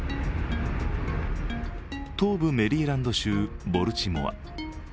東部メリーランド州ボルティモア。